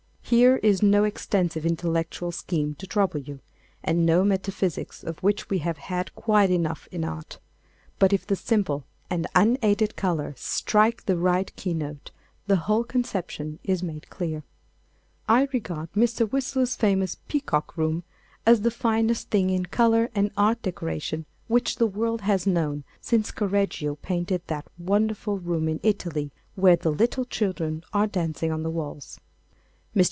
Here is no extensive intellectual scheme to trouble you, and no metaphysics of which we have had quite enough in art. But if the simple and unaided colour strike the right key note, the whole conception is made clear. I regard Mr. Whistler's famous Peacock Room as the finest thing in colour and art decoration which the world has known since Correggio painted that wonderful room in Italy where the little children are dancing on the walls. Mr.